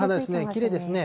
きれいですね。